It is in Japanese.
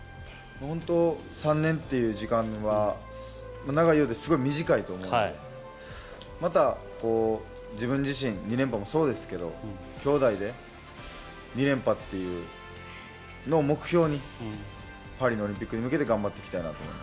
３年という時間は長いようですごい短いと思うのでまた自分自身２連覇もそうですけど兄妹で２連覇っていうのを目標にパリのオリンピックに向けて頑張っていきたいなと思います。